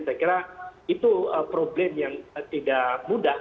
saya kira itu problem yang tidak mudah